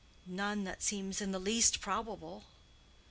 "None that seems in the least probable."